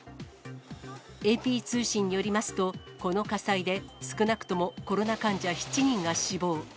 ＡＰ通信によりますと、この火災で少なくともコロナ患者７人が死亡。